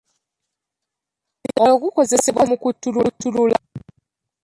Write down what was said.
Omuzindaalo gukozesebwa mu kuttulula.